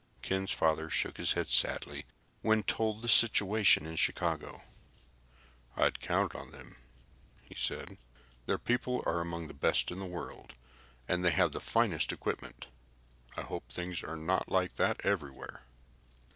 Ken's father shook his head sadly when told of the situation in Chicago. "I had counted on them," he said. "Their people are among the best in the world, and they have the finest equipment. I hope things are not like that everywhere."